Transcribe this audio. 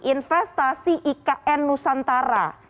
investasi ikn nusantara